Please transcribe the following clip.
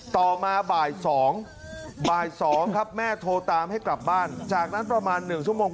ต่อมาบ่าย๒บ่าย๒ครับแม่โทรตามให้กลับบ้านจากนั้นประมาณ๑ชั่วโมง